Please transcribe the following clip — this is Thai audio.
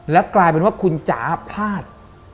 แล้วกลายเป็นว่าคุณจ๋าพลาด